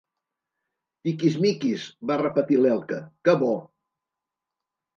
Tiquismiquis! —va repetir l'Elke— Que bo!